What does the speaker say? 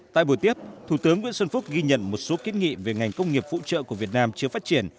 tại buổi tiếp thủ tướng nguyễn xuân phúc ghi nhận một số kiến nghị về ngành công nghiệp phụ trợ của việt nam chưa phát triển